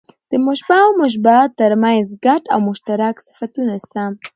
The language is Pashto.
د مشبه او مشبه به؛ تر منځ ګډ او مشترک صفتونه سته.